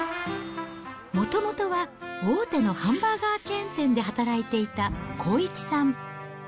もともとは大手のハンバーガーチェーン店で働いていた康一さん。